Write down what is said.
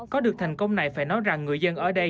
có được thành công này phải nói rằng người dân ở đây